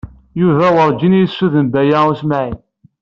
Yuba werǧin i yessuden Baya U Smaɛil.